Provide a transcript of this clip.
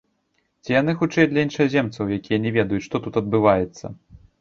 Ці яны хутчэй для іншаземцаў, якія не ведаюць, што тут адбываецца?